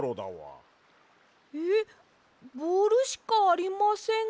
えっボールしかありませんが。